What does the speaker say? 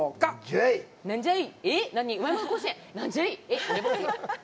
なんじゃい？